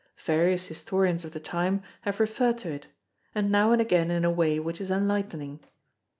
Various historians of the time have referred to it, and now and again in a way which is enlightening.